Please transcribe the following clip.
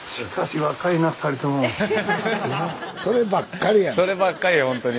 そればっかりほんとに。